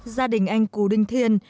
gia đình anh cú đinh thiên